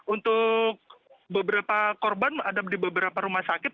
untuk beberapa korban ada di beberapa rumah sakit